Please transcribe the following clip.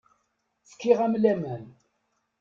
Fkiɣ-am laman.